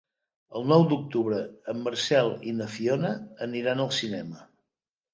El nou d'octubre en Marcel i na Fiona aniran al cinema.